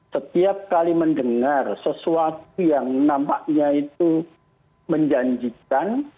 setiap kali mendengar sesuatu yang nampaknya itu menjanjikan